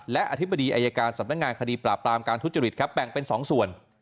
และอธิบดีอายการสำนักงานคดีปราบปรามการทุจริตครับแบ่งเป็น๒ส่วน